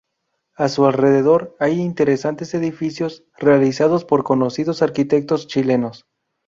A su alrededor hay interesantes edificios, realizados por conocidos arquitectos chilenos.